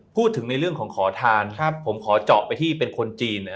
พูดถึงในเรื่องของขอทานผมขอเจาะไปที่เป็นคนจีน